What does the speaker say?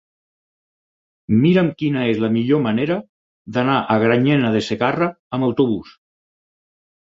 Mira'm quina és la millor manera d'anar a Granyena de Segarra amb autobús.